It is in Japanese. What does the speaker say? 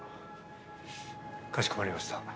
かしこまりました。